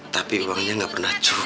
tapi uangnya nggak pernah cukup